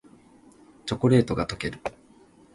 チョコレートがとける